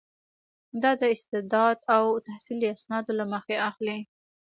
دا د استعداد او تحصیلي اسنادو له مخې اخلي.